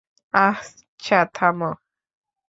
আচ্ছা, থামো।